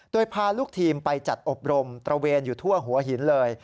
โดยพาลูกทีมไปจัดอบรมตระเวนอยู่ทั่วหัวหินเลย